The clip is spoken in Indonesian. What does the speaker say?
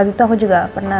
pada waktu itu aku juga pernah